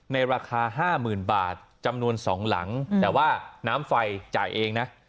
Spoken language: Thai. ในราคา๕๐๐๐บาทจำนวน๒หลังแต่ว่าน้ำไฟจ่ายเองนะ